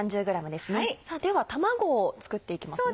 さぁでは卵を作っていきますね。